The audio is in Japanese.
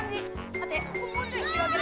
まってここもうちょい広げる。